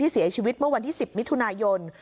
เสียชีวิตเมื่อวันที่๑๐มิถุนายน